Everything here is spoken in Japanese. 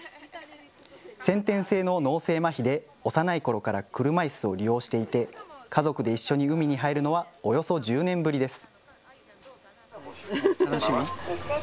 先天性の脳性まひで幼いころから車いすを利用していて、家族で一緒に海に入るのはおよそ１０年ぶりです。